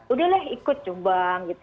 udah lah ikut nyumbang gitu